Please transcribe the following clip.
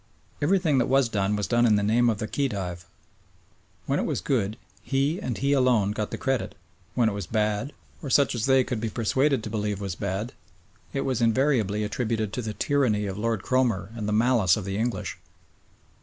Everything that was done was done in the name of the Khedive. When it was good, he, and he alone, got the credit; when it was bad, or such as they could be persuaded to believe was bad, it was invariably attributed to the "tyranny" of Lord Cromer and the "malice" of the English.